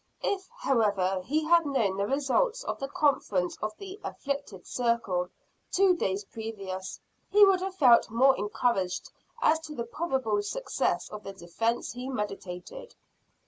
If, however, he had known the results of the conference of the "afflicted circle" two days previous, he would have felt more encouraged as to the probable success of the defence he meditated.